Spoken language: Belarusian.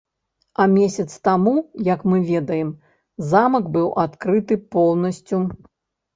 А месяц таму, як мы ведаем, замак быў адкрыты поўнасцю.